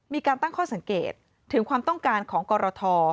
มีการตั้งข้อสังเกตถึงความต้องการของกรท